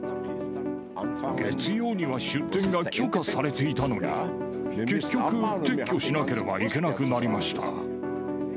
月曜には出店が許可されていたのに、結局、撤去しなければいけなくなりました。